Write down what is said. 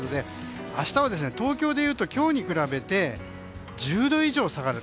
明日は東京でいうと今日に比べて１０度以上下がる。